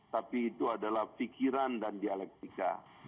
tapi itu adalah pikiran dan dialektika